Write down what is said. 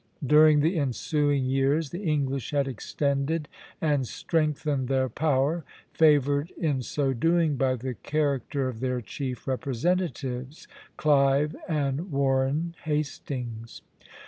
During the ensuing years the English had extended and strengthened their power, favored in so doing by the character of their chief representatives, Clive and Warren Hastings.